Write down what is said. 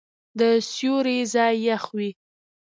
د سیوري ځای یخ وي.